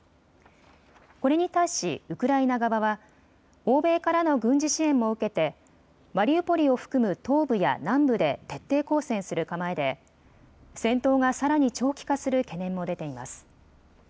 これに対しウクライナ側は欧米からの軍事支援も受けてマリウポリを含む東部や南部で徹底抗戦する構えで戦闘がさらに長期化する懸念も出ています。